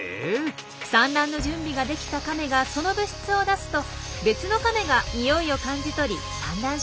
産卵の準備ができたカメがその物質を出すと別のカメが匂いを感じ取り産卵したくなります。